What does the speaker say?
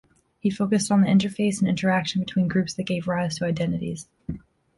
He focused on the interface and interaction between groups that gave rise to identities.